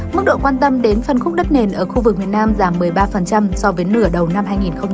mức độ quan tâm đến phân khúc đất nền ở khu vực miền nam giảm một mươi ba so với nửa đầu năm hai nghìn hai mươi ba